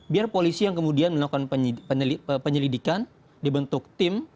biar polisi yang kemudian melakukan penyelidikan dibentuk tim